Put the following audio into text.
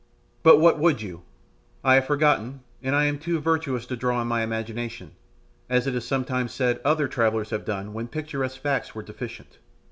But what would you? I have forgotten, and am too virtuous to draw on my imagination, as it is sometimes said other travellers have done when picturesque facts were deficient.